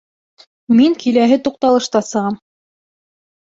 Мин киләһе туҡталышта сығам